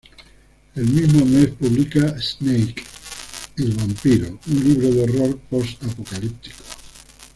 El mismo mes publica "Snake il vampiro", un libro de horror post- apocalíptico.